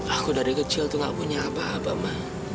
aku dari kecil tuh gak punya apa apa mbak